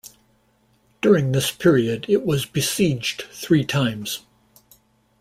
During this period it was besieged three times.